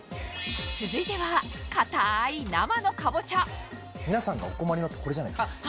続いては硬い生の皆さんがお困りのってこれじゃないですか？